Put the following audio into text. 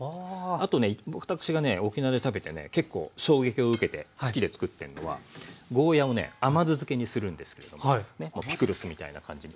あとね私がね沖縄で食べてね結構衝撃を受けて好きでつくってるのはゴーヤーをね甘酢漬けにするんですけれどもピクルスみたいな感じに。